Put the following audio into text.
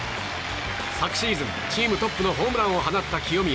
昨シーずん、チームトップのホームランを放った清宮。